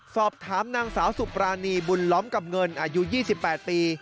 สอบถามนางสาวสุปรานีบุญล้อมกับเงินอายุ๒๘ปี